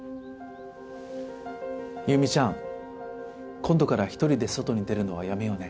優実ちゃん今度から一人で外に出るのはやめようね。